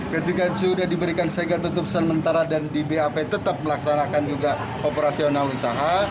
ketika sudah diberikan segel tutup sementara dan di bap tetap melaksanakan juga operasional usaha